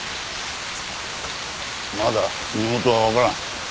まだ身元はわからん。